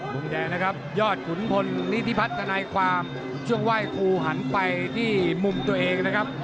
มุมแดงนะครับยอดขุนพลนิธิพัฒนาความช่วงไหว้ครูหันไปที่มุมตัวเองนะครับ